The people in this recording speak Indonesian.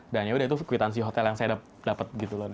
dan yaudah itu kuitansi hotel yang saya dapet gitu loh